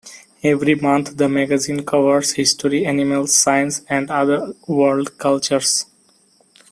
Every month the magazine covers, history, animals, science and other world cultures.